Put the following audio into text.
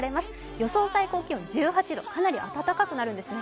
予想最高気温１８度、かなり暖かくなりますね。